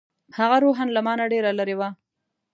هغه روحاً له ما نه ډېره لرې وه.